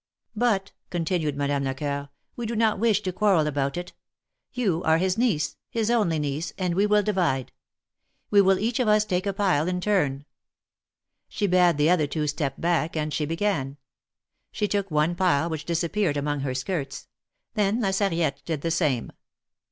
"But," continued Madame Lecoeur, "we do not wish to quarrel about it. You are his niece — his only niece — and we will divide. We will each of us take a pile in turn." She bade the other two step back, and she began. She took one pile which disappeared among her skirts. Then La Sarriette did the same.